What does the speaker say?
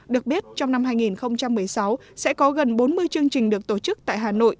được biết trong năm hai nghìn một mươi sáu sẽ có gần bốn mươi chương trình được tổ chức tại hà nội